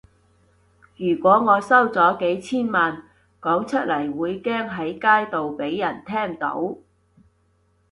如果我收咗幾千萬，講出嚟會驚喺街度畀人聽到